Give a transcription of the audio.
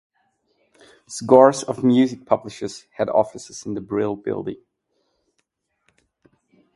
Scores of music publishers had offices in the Brill Building.